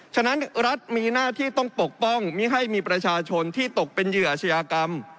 ฉะนั้นรัฐมีหน้าที่ต้องปกป้องไม่ให้มีประชาชนที่ตกเป็นเหยื่ออาชญากรรม